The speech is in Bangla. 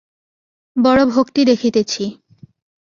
বড়ো ভক্তি দেখিতেছি।